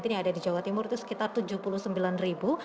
yang ada di jawa timur itu sekitar tujuh puluh sembilan ribu